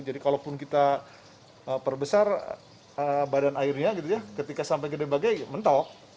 jadi kalaupun kita perbesar badan airnya ketika sampai gede bage mentok